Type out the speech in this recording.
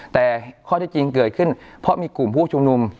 แต่ข้อที่จริงเกิดขึ้นเพราะมีกลุ่มผู้ชุมนุม